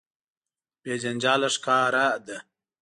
بې جنجاله ښکاره ده.